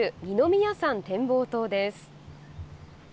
宮山展望塔です。